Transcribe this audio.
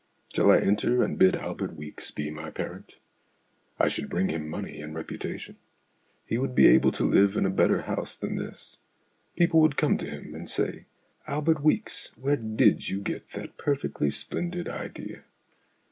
Shall I enter, and bid Albert Weeks be my parent ? I should bring him money and reputation. He would be able to live in a better house than this ; people would come to him and say, " Albert Weeks, where did you get that perfectly splendid idea